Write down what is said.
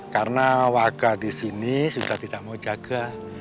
karena wakil di sini sudah tidak mau jaga